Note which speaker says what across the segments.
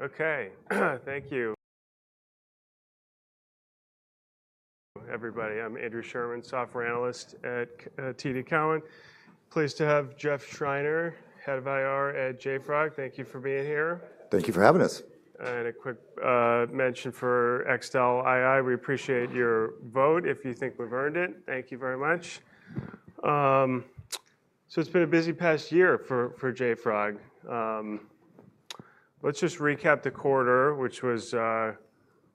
Speaker 1: Okay, thank you. Everybody, I'm Andrew Sherman, Software Analyst at TD Cowen. Pleased to have Jeff Schreiner, Head of IR at JFrog. Thank you for being here.
Speaker 2: Thank you for having us.
Speaker 1: A quick mention for Exel II. We appreciate your vote if you think we've earned it. Thank you very much. It's been a busy past year for JFrog. Let's just recap the quarter, which was a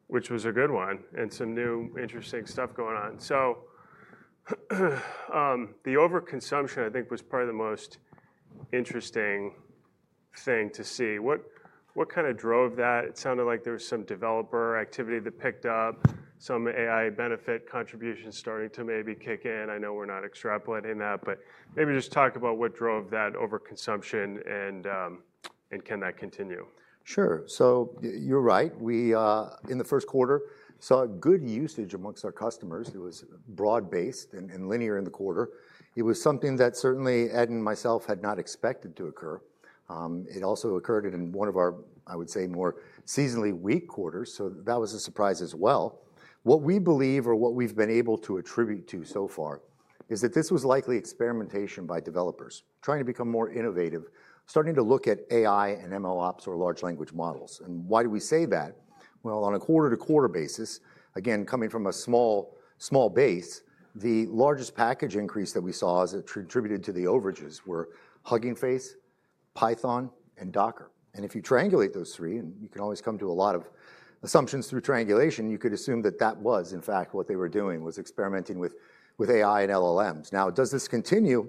Speaker 1: good one, and some new, interesting stuff going on. The overconsumption, I think, was probably the most interesting thing to see. What kind of drove that? It sounded like there was some developer activity that picked up, some AI benefit contributions starting to maybe kick in. I know we're not extrapolating that, but maybe just talk about what drove that overconsumption and can that continue.
Speaker 2: Sure. So you're right. In the first quarter, we saw good usage amongst our customers. It was broad-based and linear in the quarter. It was something that certainly Ed and myself had not expected to occur. It also occurred in one of our, I would say, more seasonally weak quarters. That was a surprise as well. What we believe, or what we've been able to attribute to so far, is that this was likely experimentation by developers trying to become more innovative, starting to look at AI and MLOps or large language models. Why do we say that? On a quarter-to-quarter basis, again, coming from a small base, the largest package increase that we saw as it contributed to the overages were Hugging Face, Python, and Docker. If you triangulate those three, and you can always come to a lot of assumptions through triangulation, you could assume that that was, in fact, what they were doing, was experimenting with AI and LLMs. Now, does this continue?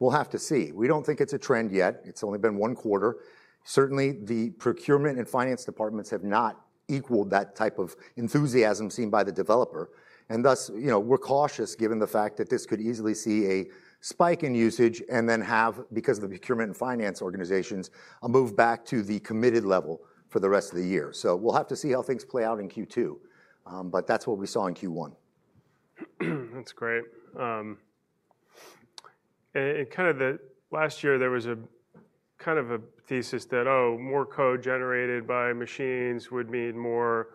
Speaker 2: We will have to see. We do not think it is a trend yet. It has only been one quarter. Certainly, the procurement and finance departments have not equaled that type of enthusiasm seen by the developer. Thus, we are cautious given the fact that this could easily see a spike in usage and then have, because of the procurement and finance organizations, a move back to the committed level for the rest of the year. We will have to see how things play out in Q2, but that is what we saw in Q1.
Speaker 1: That's great. Kind of the last year, there was kind of a thesis that, oh, more code generated by machines would mean more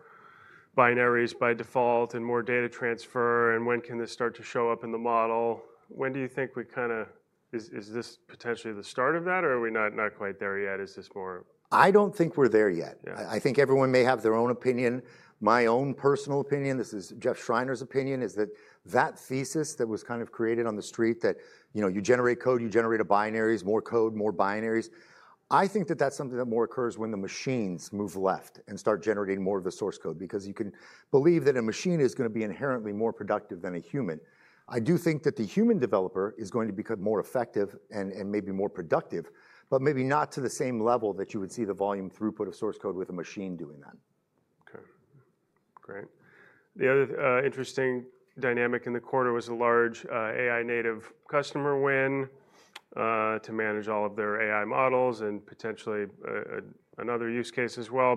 Speaker 1: binaries by default and more data transfer. When can this start to show up in the model? When do you think we kind of, is this potentially the start of that, or are we not quite there yet? Is this more?
Speaker 2: I don't think we're there yet. I think everyone may have their own opinion. My own personal opinion, this is Jeff Schreiner's opinion, is that that thesis that was kind of created on the street that you generate code, you generate binaries, more code, more binaries, I think that that's something that more occurs when the machines move left and start generating more of the source code, because you can believe that a machine is going to be inherently more productive than a human. I do think that the human developer is going to become more effective and maybe more productive, but maybe not to the same level that you would see the volume throughput of source code with a machine doing that.
Speaker 1: Okay, great. The other interesting dynamic in the quarter was a large AI-native customer win to manage all of their AI models and potentially another use case as well.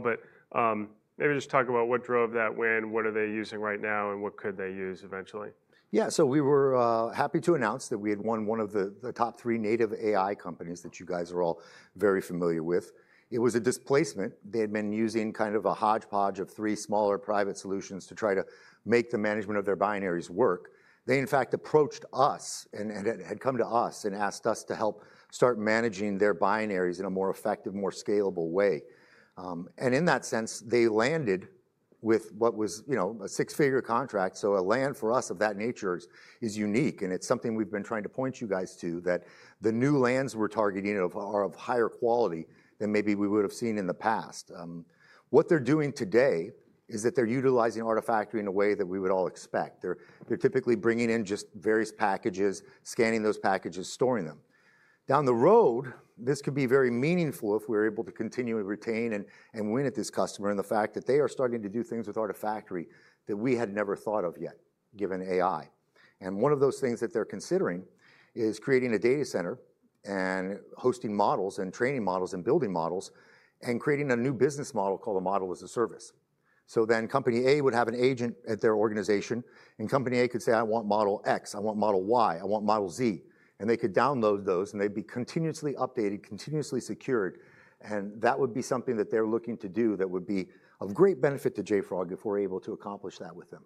Speaker 1: Maybe just talk about what drove that win. What are they using right now and what could they use eventually?
Speaker 2: Yeah, so we were happy to announce that we had won one of the top three native AI companies that you guys are all very familiar with. It was a displacement. They had been using kind of a hodgepodge of three smaller private solutions to try to make the management of their binaries work. They, in fact, approached us and had come to us and asked us to help start managing their binaries in a more effective, more scalable way. In that sense, they landed with what was a six-figure contract. A land for us of that nature is unique. It is something we've been trying to point you guys to, that the new lands we're targeting are of higher quality than maybe we would have seen in the past. What they're doing today is that they're utilizing Artifactory in a way that we would all expect. They're typically bringing in just various packages, scanning those packages, storing them. Down the road, this could be very meaningful if we're able to continue to retain and win at this customer and the fact that they are starting to do things with Artifactory that we had never thought of yet, given AI. One of those things that they're considering is creating a data center and hosting models and training models and building models and creating a new business model called a model as a service. Company A would have an agent at their organization, and Company A could say, I want model X, I want model Y, I want model Z. They could download those, and they'd be continuously updated, continuously secured. That would be something that they're looking to do that would be of great benefit to JFrog if we're able to accomplish that with them.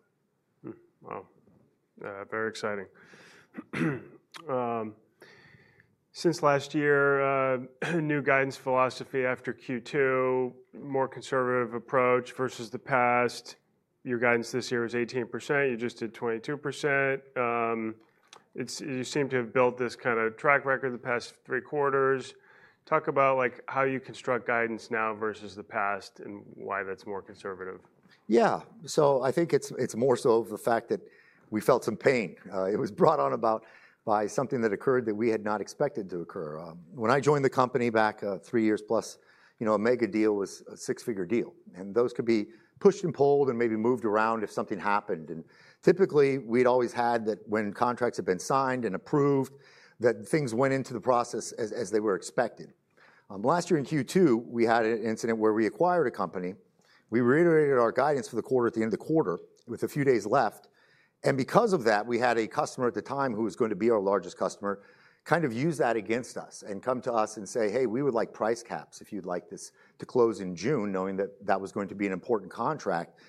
Speaker 1: Wow, very exciting. Since last year, new guidance philosophy after Q2, more conservative approach versus the past. Your guidance this year was 18%. You just did 22%. You seem to have built this kind of track record the past three quarters. Talk about how you construct guidance now versus the past and why that's more conservative.
Speaker 2: Yeah, so I think it's more so of the fact that we felt some pain. It was brought on about by something that occurred that we had not expected to occur. When I joined the company back 3+ years, a mega deal was a six-figure deal. Those could be pushed and pulled and maybe moved around if something happened. Typically, we'd always had that when contracts had been signed and approved, things went into the process as they were expected. Last year in Q2, we had an incident where we acquired a company. We reiterated our guidance for the quarter at the end of the quarter with a few days left. Because of that, we had a customer at the time who was going to be our largest customer kind of use that against us and come to us and say, hey, we would like price caps if you'd like this to close in June, knowing that that was going to be an important contract.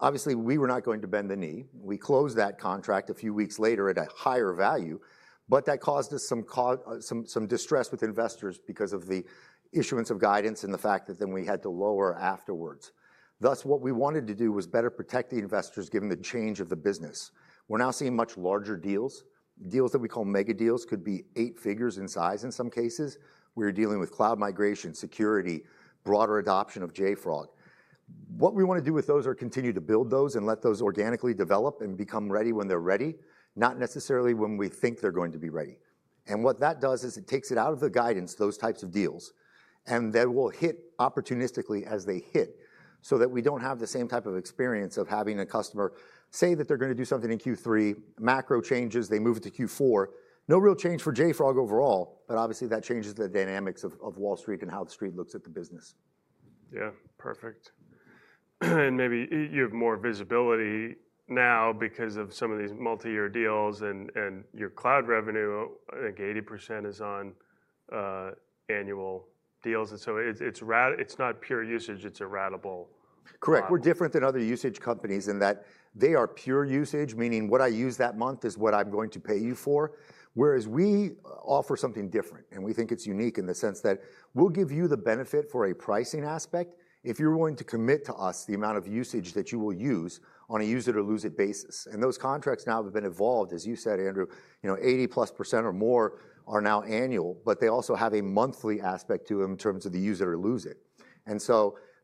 Speaker 2: Obviously, we were not going to bend the knee. We closed that contract a few weeks later at a higher value, but that caused us some distress with investors because of the issuance of guidance and the fact that then we had to lower afterwards. Thus, what we wanted to do was better protect the investors given the change of the business. We're now seeing much larger deals. Deals that we call mega deals could be eight figures in size in some cases. We're dealing with cloud migration, security, broader adoption of JFrog. What we want to do with those are continue to build those and let those organically develop and become ready when they're ready, not necessarily when we think they're going to be ready. What that does is it takes it out of the guidance, those types of deals, and they will hit opportunistically as they hit so that we do not have the same type of experience of having a customer say that they're going to do something in Q3, macro changes, they move it to Q4. No real change for JFrog overall, but obviously that changes the dynamics of Wall Street and how the street looks at the business.
Speaker 1: Yeah, perfect. Maybe you have more visibility now because of some of these multi-year deals and your cloud revenue, I think 80% is on annual deals. It is not pure usage, it is eradicable.
Speaker 2: Correct. We're different than other usage companies in that they are pure usage, meaning what I use that month is what I'm going to pay you for. Whereas we offer something different and we think it's unique in the sense that we'll give you the benefit for a pricing aspect if you're willing to commit to us the amount of usage that you will use on a use-it-or-lose-it basis. Those contracts now have been evolved, as you said, Andrew, 80%+ or more are now annual, but they also have a monthly aspect to them in terms of the use-it-or-lose-it.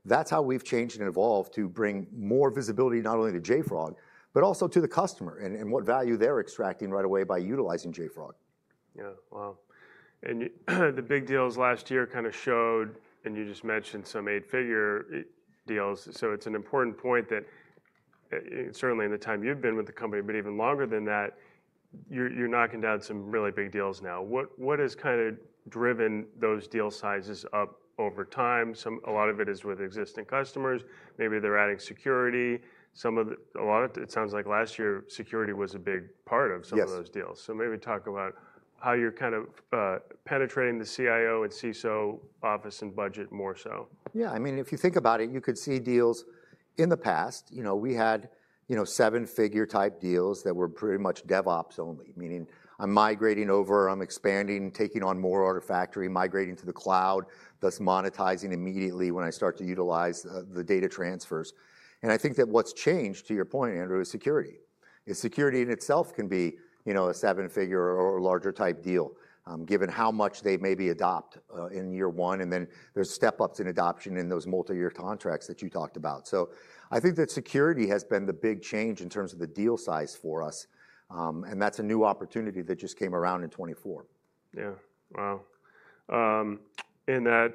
Speaker 2: That's how we've changed and evolved to bring more visibility not only to JFrog, but also to the customer and what value they're extracting right away by utilizing JFrog.
Speaker 1: Yeah, wow. The big deals last year kind of showed, and you just mentioned some eight-figure deals. It is an important point that certainly in the time you have been with the company, but even longer than that, you are knocking down some really big deals now. What has kind of driven those deal sizes up over time? A lot of it is with existing customers. Maybe they are adding security. A lot of it sounds like last year security was a big part of some of those deals. Maybe talk about how you are kind of penetrating the CIO and CISO office and budget more so.
Speaker 2: Yeah, I mean, if you think about it, you could see deals in the past. We had seven-figure type deals that were pretty much DevOps only, meaning I'm migrating over, I'm expanding, taking on more Artifactory, migrating to the cloud, thus monetizing immediately when I start to utilize the data transfers. I think that what's changed, to your point, Andrew, is security. Security in itself can be a seven-figure or larger type deal given how much they maybe adopt in year one. Then there's step-ups in adoption in those multi-year contracts that you talked about. I think that security has been the big change in terms of the deal size for us. That's a new opportunity that just came around in 2024.
Speaker 1: Yeah, wow. In that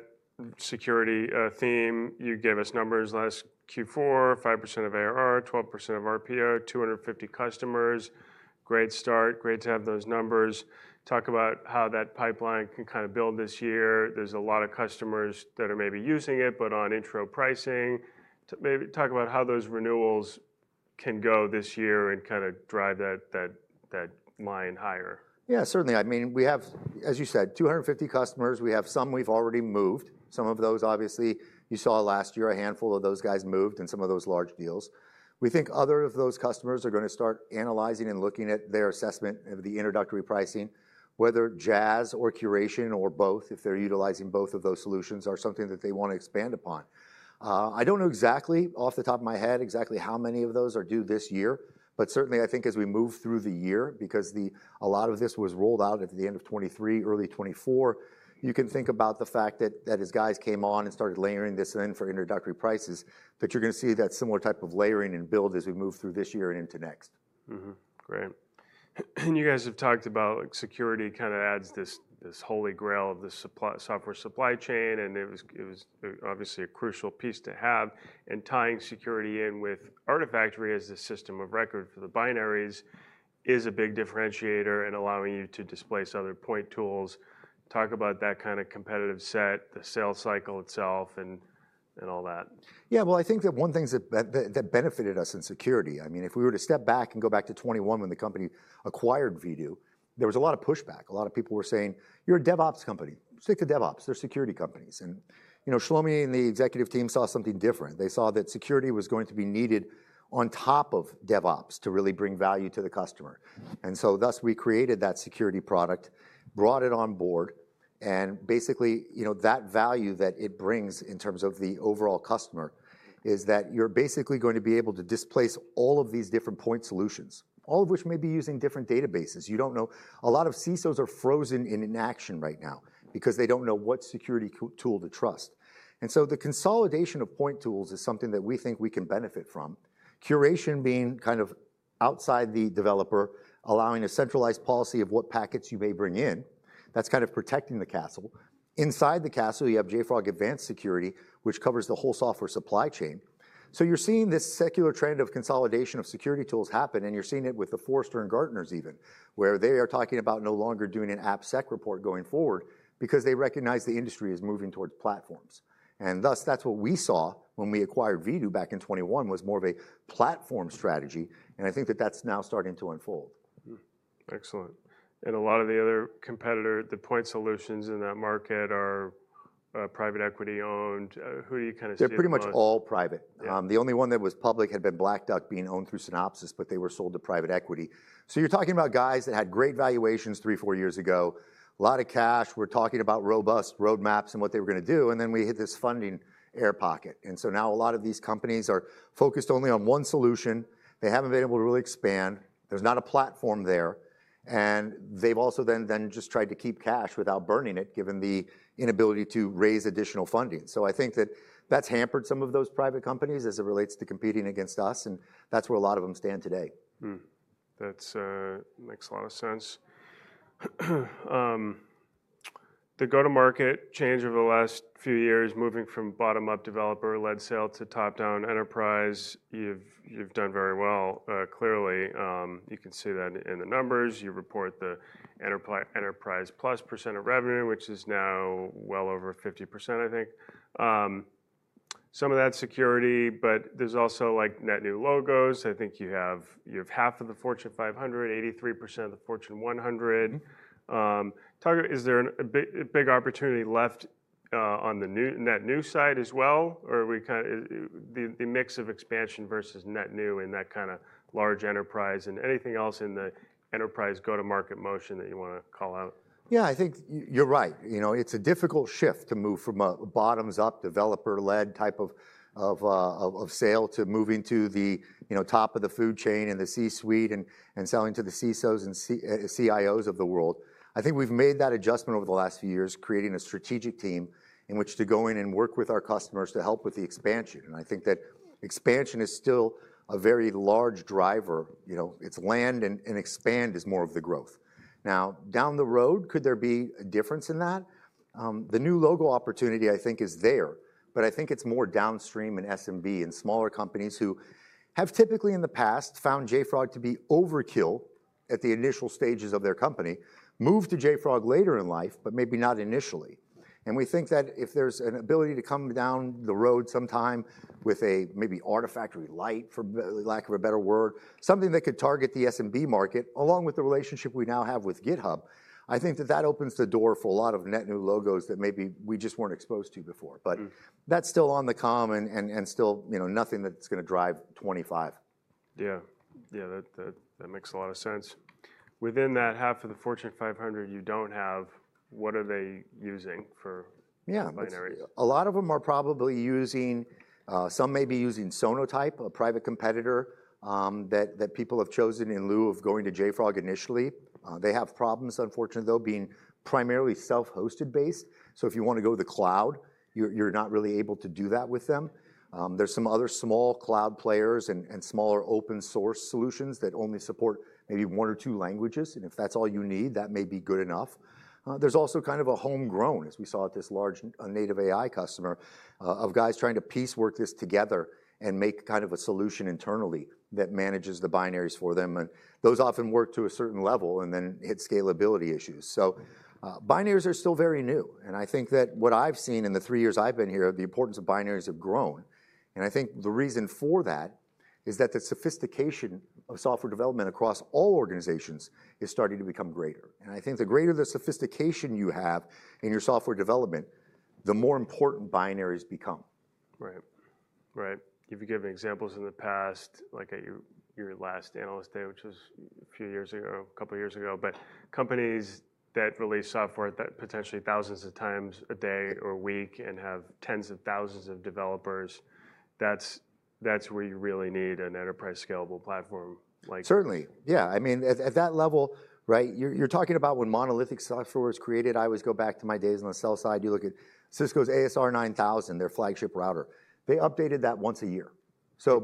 Speaker 1: security theme, you gave us numbers last Q4, 5% of ARR, 12% of RPO, 250 customers. Great start. Great to have those numbers. Talk about how that pipeline can kind of build this year. There's a lot of customers that are maybe using it, but on intro pricing. Maybe talk about how those renewals can go this year and kind of drive that line higher.
Speaker 2: Yeah, certainly. I mean, we have, as you said, 250 customers. We have some we've already moved. Some of those, obviously, you saw last year, a handful of those guys moved and some of those large deals. We think other of those customers are going to start analyzing and looking at their assessment of the introductory pricing, whether JAS or Curation or both, if they're utilizing both of those solutions or something that they want to expand upon. I don't know exactly off the top of my head exactly how many of those are due this year, but certainly I think as we move through the year, because a lot of this was rolled out at the end of 2023, early 2024, you can think about the fact that as guys came on and started layering this in for introductory prices, that you're going to see that similar type of layering and build as we move through this year and into next.
Speaker 1: Great. You guys have talked about security kind of adds this holy grail of the software supply chain, and it was obviously a crucial piece to have. Tying security in with Artifactory as the system of record for the binaries is a big differentiator and allowing you to displace other point tools. Talk about that kind of competitive set, the sales cycle itself and all that.
Speaker 2: Yeah, I think that one thing that benefited us in security, I mean, if we were to step back and go back to 2021 when the company acquired Vidoo, there was a lot of pushback. A lot of people were saying, you're a DevOps company. Stick to DevOps. They're security companies. Shlomi and the executive team saw something different. They saw that security was going to be needed on top of DevOps to really bring value to the customer. Thus we created that security product, brought it on board, and basically that value that it brings in terms of the overall customer is that you're basically going to be able to displace all of these different point solutions, all of which may be using different databases. You don't know. A lot of CISOs are frozen in inaction right now because they don't know what security tool to trust. The consolidation of point tools is something that we think we can benefit from. Curation being kind of outside the developer, allowing a centralized policy of what packages you may bring in, that's kind of protecting the castle. Inside the castle, you have JFrog Advanced Security, which covers the whole software supply chain. You are seeing this secular trend of consolidation of security tools happen, and you are seeing it with the Forrester and Gartners even, where they are talking about no longer doing an AppSec report going forward because they recognize the industry is moving towards platforms. That is what we saw when we acquired Vidoo back in 2021 was more of a platform strategy. I think that that's now starting to unfold.
Speaker 1: Excellent. A lot of the other competitor, the point solutions in that market are private equity owned. Who do you kind of see?
Speaker 2: They're pretty much all private. The only one that was public had been Black Duck being owned through Synopsys, but they were sold to private equity. You're talking about guys that had great valuations three, four years ago, a lot of cash. We're talking about robust roadmaps and what they were going to do. We hit this funding air pocket. Now a lot of these companies are focused only on one solution. They haven't been able to really expand. There's not a platform there. They've also then just tried to keep cash without burning it given the inability to raise additional funding. I think that that's hampered some of those private companies as it relates to competing against us. That's where a lot of them stand today.
Speaker 1: That makes a lot of sense. The go-to-market change over the last few years, moving from bottom-up developer-led sale to top-down enterprise, you've done very well. Clearly, you can see that in the numbers. You report the enterprise plus percent of revenue, which is now well over 50%, I think. Some of that security, but there's also net new logos. I think you have half of the Fortune 500, 83% of the Fortune 100. Is there a big opportunity left on the net new side as well, or the mix of expansion versus net new in that kind of large enterprise and anything else in the enterprise go-to-market motion that you want to call out?
Speaker 2: Yeah, I think you're right. It's a difficult shift to move from a bottoms-up developer-led type of sale to moving to the top of the food chain and the C-suite and selling to the CISOs and CIOs of the world. I think we've made that adjustment over the last few years, creating a strategic team in which to go in and work with our customers to help with the expansion. I think that expansion is still a very large driver. It's land and expand is more of the growth. Now, down the road, could there be a difference in that? The new logo opportunity, I think, is there, but I think it's more downstream in SMB and smaller companies who have typically in the past found JFrog to be overkill at the initial stages of their company, moved to JFrog later in life, but maybe not initially. We think that if there's an ability to come down the road sometime with maybe Artifactory Lite, for lack of a better word, something that could target the SMB market along with the relationship we now have with GitHub, I think that that opens the door for a lot of net new logos that maybe we just weren't exposed to before. That is still on the come and still nothing that's going to drive 2025.
Speaker 1: Yeah. Yeah, that makes a lot of sense. Within that half of the Fortune 500 you do not have, what are they using for binary?
Speaker 2: Yeah, a lot of them are probably using, some may be using Sonatype, a private competitor that people have chosen in lieu of going to JFrog initially. They have problems, unfortunately, though, being primarily self-hosted based. If you want to go to the cloud, you're not really able to do that with them. There are some other small cloud players and smaller open-source solutions that only support maybe one or two languages. If that's all you need, that may be good enough. There is also kind of a homegrown, as we saw at this large native AI customer, of guys trying to piece work this together and make kind of a solution internally that manages the binaries for them. Those often work to a certain level and then hit scalability issues. Binaries are still very new. I think that what I've seen in the three years I've been here, the importance of binaries have grown. I think the reason for that is that the sophistication of software development across all organizations is starting to become greater. I think the greater the sophistication you have in your software development, the more important binaries become.
Speaker 1: Right. Right. You've given examples in the past, like at your last analyst day, which was a few years ago, a couple of years ago, but companies that release software potentially thousands of times a day or a week and have tens of thousands of developers, that's where you really need an enterprise scalable platform like.
Speaker 2: Certainly. Yeah. I mean, at that level, right, you're talking about when monolithic software was created, I always go back to my days on the sell side. You look at Cisco's ASR 9000, their flagship router. They updated that once a year.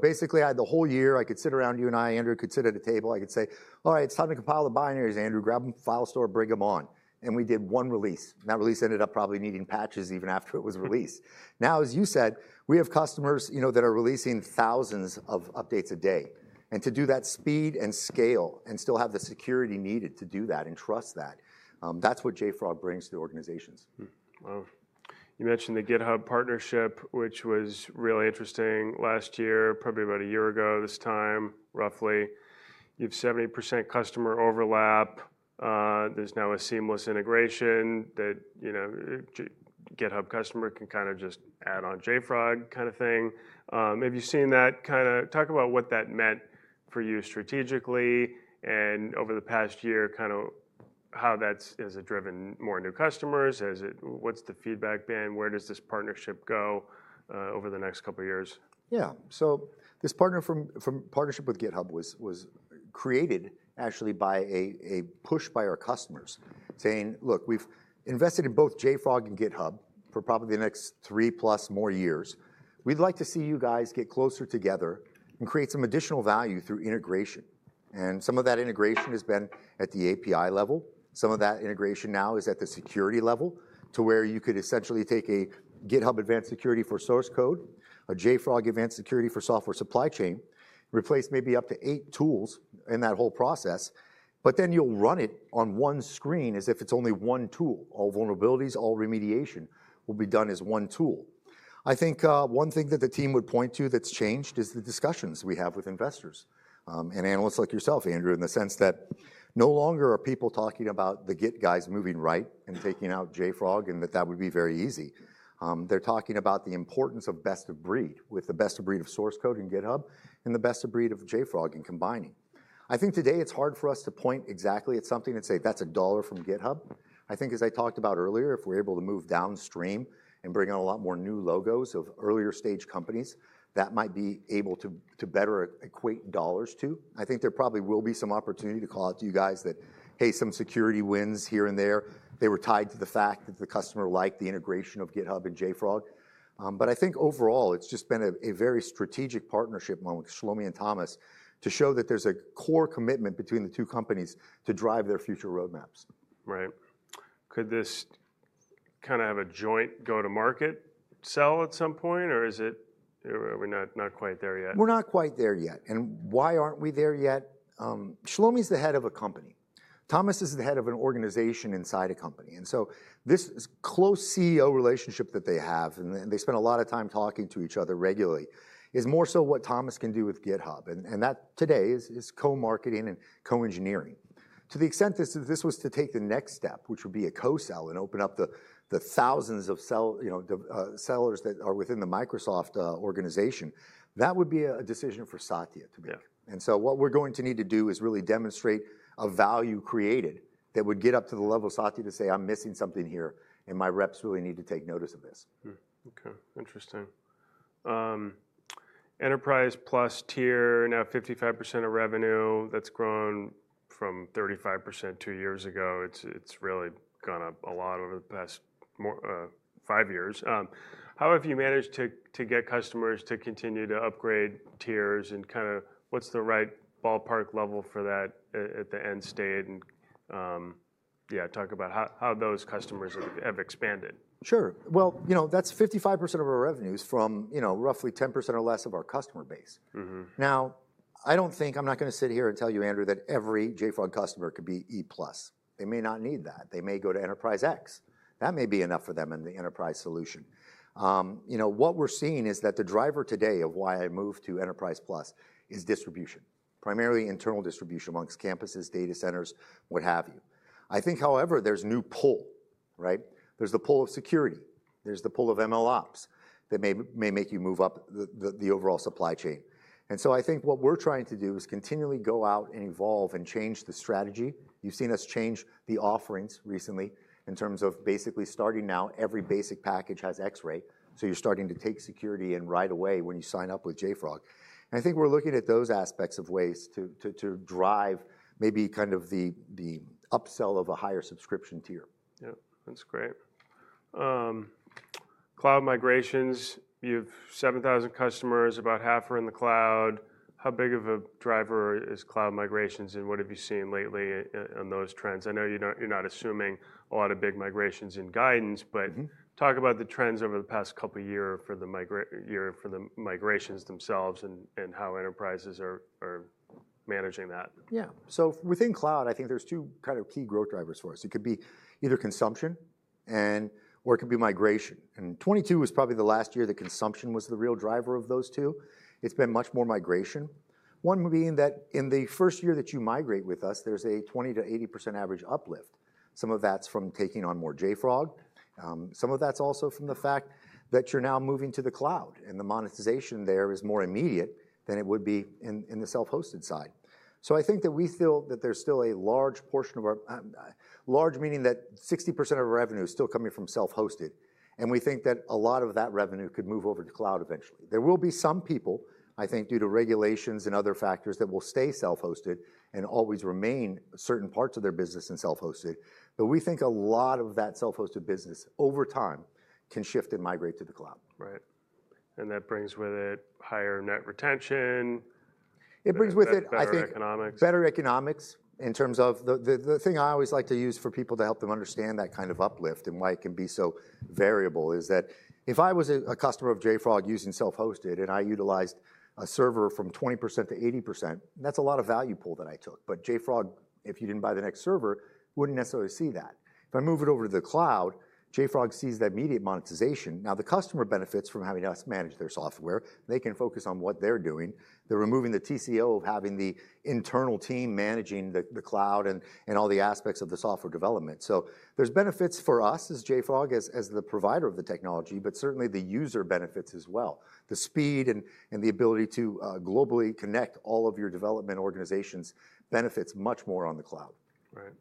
Speaker 2: Basically the whole year I could sit around, you and I, Andrew, could sit at a table, I could say, "All right, it's time to compile the binaries, Andrew. Grab them from File Store, bring them on." We did one release. That release ended up probably needing patches even after it was released. Now, as you said, we have customers that are releasing thousands of updates a day. To do that speed and scale and still have the security needed to do that and trust that, that's what JFrog brings to organizations.
Speaker 1: Wow. You mentioned the GitHub partnership, which was really interesting last year, probably about a year ago this time, roughly. You have 70% customer overlap. There's now a seamless integration that GitHub customer can kind of just add on JFrog kind of thing. Have you seen that? Kind of talk about what that meant for you strategically and over the past year, kind of how that has driven more new customers. What's the feedback been? Where does this partnership go over the next couple of years?
Speaker 2: Yeah. This partnership with GitHub was created actually by a push by our customers saying, "Look, we've invested in both JFrog and GitHub for probably the next 3+ more years. We'd like to see you guys get closer together and create some additional value through integration." Some of that integration has been at the API level. Some of that integration now is at the security level to where you could essentially take a GitHub Advanced Security for source code, a JFrog Advanced Security for software supply chain, replace maybe up to eight tools in that whole process, but then you'll run it on one screen as if it's only one tool. All vulnerabilities, all remediation will be done as one tool. I think one thing that the team would point to that's changed is the discussions we have with investors and analysts like yourself, Andrew, in the sense that no longer are people talking about the Git guys moving right and taking out JFrog and that that would be very easy. They're talking about the importance of best of breed with the best of breed of source code in GitHub and the best of breed of JFrog and combining. I think today it's hard for us to point exactly at something and say, "That's a dollar from GitHub." I think as I talked about earlier, if we're able to move downstream and bring on a lot more new logos of earlier stage companies, that might be able to better equate dollars to. I think there probably will be some opportunity to call out to you guys that, "Hey, some security wins here and there." They were tied to the fact that the customer liked the integration of GitHub and JFrog. I think overall it's just been a very strategic partnership among Shlomi and Thomas to show that there's a core commitment between the two companies to drive their future roadmaps.
Speaker 1: Right. Could this kind of have a joint go-to-market sell at some point, or is it not quite there yet?
Speaker 2: We're not quite there yet. Why aren't we there yet? Shlomi is the head of a company. Thomas is the head of an organization inside a company. This close CEO relationship that they have, and they spend a lot of time talking to each other regularly, is more so what Thomas can do with GitHub. That today is co-marketing and co-engineering. To the extent that this was to take the next step, which would be a co-sell and open up the thousands of sellers that are within the Microsoft organization, that would be a decision for Satya to make. What we're going to need to do is really demonstrate a value created that would get up to the level of Satya to say, "I'm missing something here and my reps really need to take notice of this.
Speaker 1: Okay. Interesting. Enterprise plus tier, now 55% of revenue. That's grown from 35% two years ago. It's really gone up a lot over the past five years. How have you managed to get customers to continue to upgrade tiers and kind of what's the right ballpark level for that at the end state? Yeah, talk about how those customers have expanded.
Speaker 2: Sure. You know that's 55% of our revenues from roughly 10% or less of our customer base. Now, I don't think I'm not going to sit here and tell you, Andrew, that every JFrog customer could be E plus. They may not need that. They may go to Enterprise X. That may be enough for them in the enterprise solution. What we're seeing is that the driver today of why I moved to enterprise plus is distribution, primarily internal distribution amongst campuses, data centers, what have you. I think, however, there's new pull, right? There's the pull of security. There's the pull of MLOps that may make you move up the overall supply chain. I think what we're trying to do is continually go out and evolve and change the strategy. You've seen us change the offerings recently in terms of basically starting now every basic package has Xray. So you're starting to take security in right away when you sign up with JFrog. And I think we're looking at those aspects of ways to drive maybe kind of the upsell of a higher subscription tier.
Speaker 1: Yeah. That's great. Cloud migrations. You have 7,000 customers. About half are in the cloud. How big of a driver is cloud migrations and what have you seen lately on those trends? I know you're not assuming a lot of big migrations in guidance, but talk about the trends over the past couple of years for the migrations themselves and how enterprises are managing that.
Speaker 2: Yeah. Within cloud, I think there are two kind of key growth drivers for us. It could be either consumption or it could be migration. And 2022 was probably the last year that consumption was the real driver of those two. It has been much more migration. One being that in the first year that you migrate with us, there is a 20%-80% average uplift. Some of that is from taking on more JFrog. Some of that is also from the fact that you are now moving to the cloud and the monetization there is more immediate than it would be in the self-hosted side. I think that we feel that there is still a large portion of our large, meaning that 60% of our revenue is still coming from self-hosted. We think that a lot of that revenue could move over to cloud eventually. There will be some people, I think, due to regulations and other factors that will stay self-hosted and always remain certain parts of their business in self-hosted. We think a lot of that self-hosted business over time can shift and migrate to the cloud.
Speaker 1: Right. That brings with it higher net retention.
Speaker 2: It brings with it, I think, better economics in terms of the thing I always like to use for people to help them understand that kind of uplift and why it can be so variable is that if I was a customer of JFrog using self-hosted and I utilized a server from 20%-80%, that's a lot of value pull that I took. JFrog, if you didn't buy the next server, wouldn't necessarily see that. If I move it over to the cloud, JFrog sees that immediate monetization. Now the customer benefits from having us manage their software. They can focus on what they're doing. They're removing the TCO of having the internal team managing the cloud and all the aspects of the software development. There are benefits for us as JFrog as the provider of the technology, but certainly the user benefits as well. The speed and the ability to globally connect all of your development organizations benefits much more on the cloud.
Speaker 1: Right.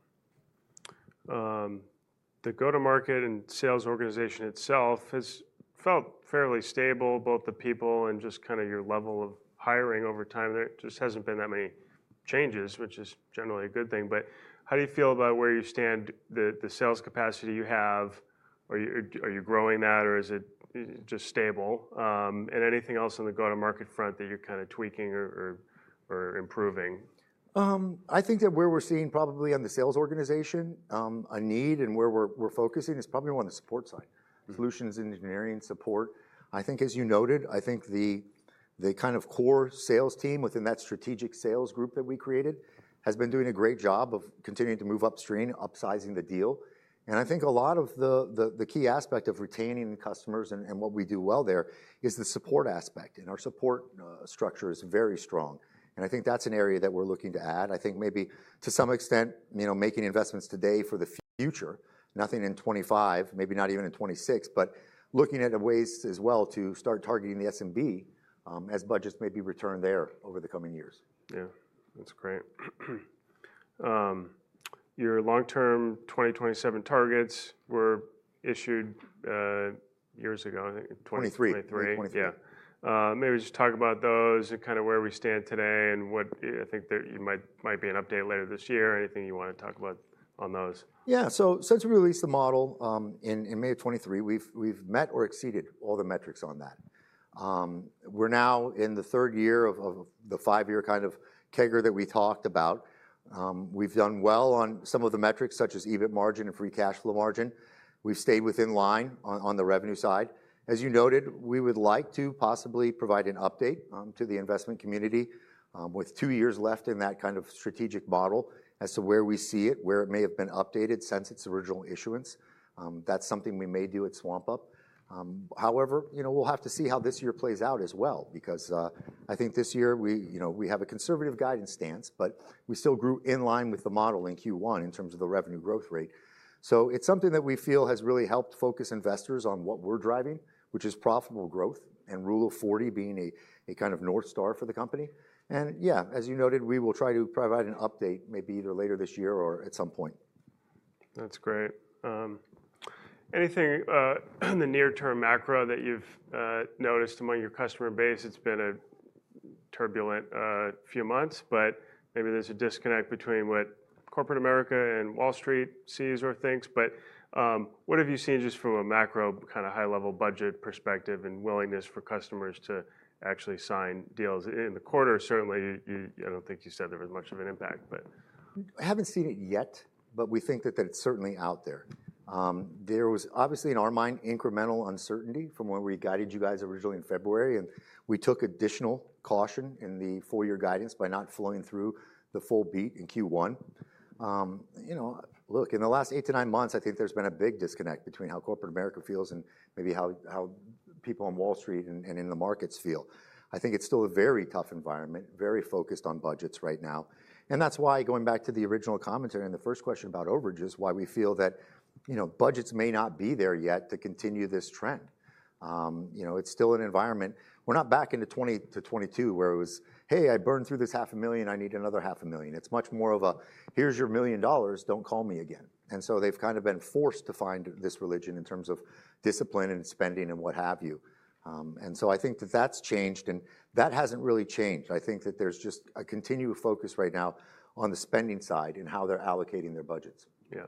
Speaker 1: The go-to-market and sales organization itself has felt fairly stable, both the people and just kind of your level of hiring over time. There just has not been that many changes, which is generally a good thing. How do you feel about where you stand? The sales capacity you have, are you growing that or is it just stable? Anything else on the go-to-market front that you are kind of tweaking or improving?
Speaker 2: I think that where we're seeing probably on the sales organization a need and where we're focusing is probably on the support side, solutions engineering support. I think as you noted, the kind of core sales team within that strategic sales group that we created has been doing a great job of continuing to move upstream, upsizing the deal. I think a lot of the key aspect of retaining customers and what we do well there is the support aspect. Our support structure is very strong. I think that's an area that we're looking to add. I think maybe to some extent, making investments today for the future, nothing in 2025, maybe not even in 2026, but looking at ways as well to start targeting the S&B as budgets maybe return there over the coming years.
Speaker 1: Yeah. That's great. Your long-term 2027 targets were issued years ago, I think.
Speaker 2: 2023.
Speaker 1: 2023. Yeah. Maybe just talk about those and kind of where we stand today and what I think there might be an update later this year. Anything you want to talk about on those?
Speaker 2: Yeah. Since we released the model in May of 2023, we've met or exceeded all the metrics on that. We're now in the third year of the five-year kind of kegger that we talked about. We've done well on some of the metrics such as EBIT margin and free cash flow margin. We've stayed within line on the revenue side. As you noted, we would like to possibly provide an update to the investment community with two years left in that kind of strategic model as to where we see it, where it may have been updated since its original issuance. That's something we may do at swampUP. However, we'll have to see how this year plays out as well because I think this year we have a conservative guidance stance, but we still grew in line with the model in Q1 in terms of the revenue growth rate. It is something that we feel has really helped focus investors on what we are driving, which is profitable growth and Rule of 40 being a kind of North Star for the company. Yeah, as you noted, we will try to provide an update maybe either later this year or at some point.
Speaker 1: That's great. Anything in the near-term macro that you've noticed among your customer base? It's been a turbulent few months, but maybe there's a disconnect between what corporate America and Wall Street sees or thinks. What have you seen just from a macro kind of high-level budget perspective and willingness for customers to actually sign deals in the quarter? Certainly, I don't think you said there was much of an impact, but.
Speaker 2: I haven't seen it yet, but we think that it's certainly out there. There was obviously in our mind incremental uncertainty from when we guided you guys originally in February, and we took additional caution in the full-year guidance by not flowing through the full beat in Q1. Look, in the last eight to nine months, I think there's been a big disconnect between how corporate America feels and maybe how people on Wall Street and in the markets feel. I think it's still a very tough environment, very focused on budgets right now. That is why, going back to the original commentary and the first question about overages, we feel that budgets may not be there yet to continue this trend. It's still an environment. We're not back into 2020 to 2022 where it was, "Hey, I burned through this $500,000. I need another $500,000. It's much more of a, "Here's your $1,000,000. Don't call me again." They've kind of been forced to find this religion in terms of discipline and spending and what have you. I think that that's changed and that hasn't really changed. I think that there's just a continued focus right now on the spending side and how they're allocating their budgets.
Speaker 1: Yeah.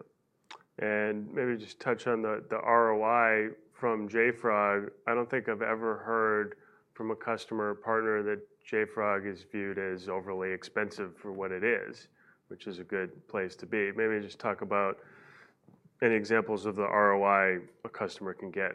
Speaker 1: Maybe just touch on the ROI from JFrog. I do not think I have ever heard from a customer partner that JFrog is viewed as overly expensive for what it is, which is a good place to be. Maybe just talk about any examples of the ROI a customer can get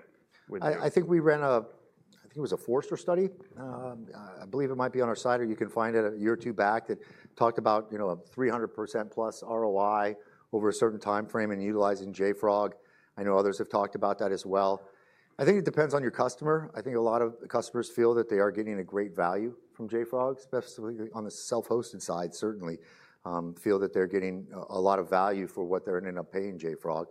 Speaker 1: with it.
Speaker 2: I think we ran a, I think it was a Forrester study. I believe it might be on our side or you can find it a year or two back that talked about a 300%+ ROI over a certain timeframe and utilizing JFrog. I know others have talked about that as well. I think it depends on your customer. I think a lot of customers feel that they are getting a great value from JFrog, especially on the self-hosted side, certainly feel that they're getting a lot of value for what they're ending up paying JFrog.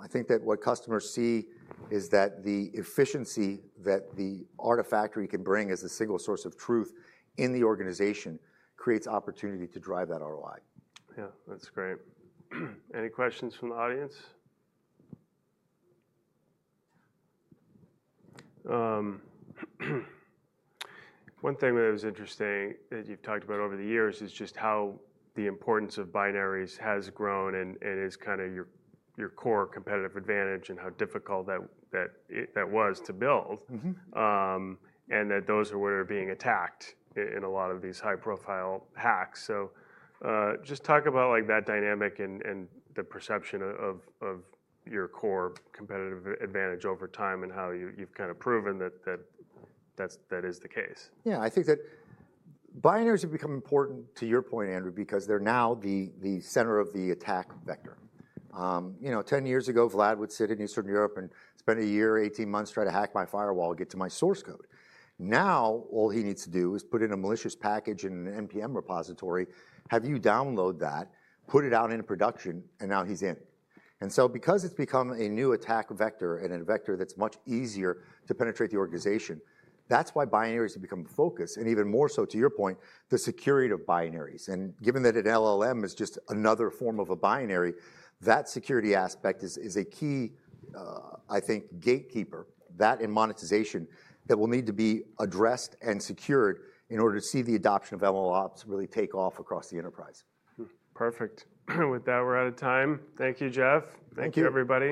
Speaker 2: I think that what customers see is that the efficiency that the Artifactory can bring as a single source of truth in the organization creates opportunity to drive that ROI.
Speaker 1: Yeah. That's great. Any questions from the audience? One thing that was interesting that you've talked about over the years is just how the importance of binaries has grown and is kind of your core competitive advantage and how difficult that was to build and that those are where they're being attacked in a lot of these high-profile hacks. Just talk about that dynamic and the perception of your core competitive advantage over time and how you've kind of proven that that is the case.
Speaker 2: Yeah. I think that binaries have become important to your point, Andrew, because they're now the center of the attack vector. Ten years ago, Vlad would sit in Eastern Europe and spend a year, 18 months, try to hack my firewall, get to my source code. Now all he needs to do is put in a malicious package in an NPM repository, have you download that, put it out into production, and now he's in. Because it's become a new attack vector and a vector that's much easier to penetrate the organization, that's why binaries have become the focus and even more so to your point, the security of binaries. Given that an LLM is just another form of a binary, that security aspect is a key, I think, gatekeeper that in monetization that will need to be addressed and secured in order to see the adoption of MLOps really take off across the enterprise.
Speaker 1: Perfect. With that, we're out of time. Thank you, Jeff.
Speaker 2: Thank you.
Speaker 1: Thank you, everybody.